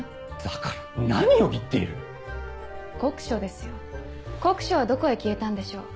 だから何を言っている⁉黒書ですよ黒書はどこへ消えたんでしょう？